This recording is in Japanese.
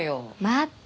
待って。